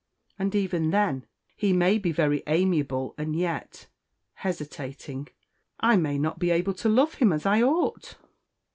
And even then he may be very amiable, and yet" hesitating "I may not be able to love him as I ought."